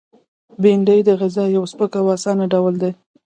بېنډۍ د غذا یو سپک او آسانه ډول دی